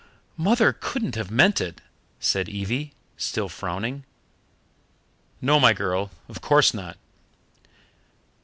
"Mother couldn't have meant it," said Evie, still frowning. "No, my girl, of course not."